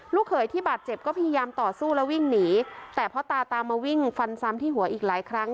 เขยที่บาดเจ็บก็พยายามต่อสู้แล้ววิ่งหนีแต่พ่อตาตามมาวิ่งฟันซ้ำที่หัวอีกหลายครั้ง